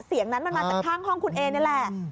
เสียงนั้นมันมาจากข้างห้องคุณเอนี่แหละ